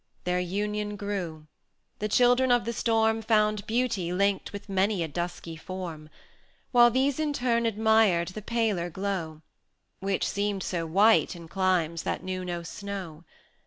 Their union grew: the children of the storm Found beauty linked with many a dusky form; While these in turn admired the paler glow, Which seemed so white in climes that knew no snow.